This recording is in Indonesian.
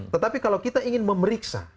tetapi kalau kita ingin memeriksa